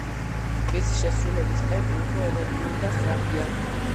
მისი შესრულების ტემპი უფრო ენერგიული და სწრაფია.